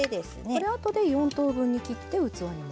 これ後で４等分に切って器に盛る？